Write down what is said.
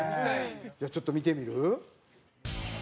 じゃあちょっと見てみる？